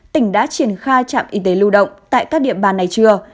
tỉnh đã triển khai trạm y tế lưu động tại các địa bàn này chưa